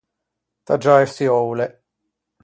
Taggiâ e çioule.